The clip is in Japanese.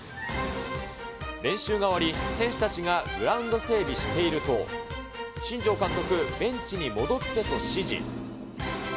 練習が終わり、選手たちがグラウンド整備していると、新庄監督、ベンチに戻ってと指示。